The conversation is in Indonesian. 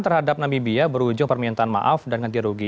terhadap nabibia berujung permintaan maaf dan ganti rugi